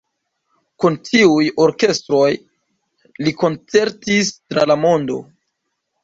Kun tiuj orkestroj li koncertis tra la mondo.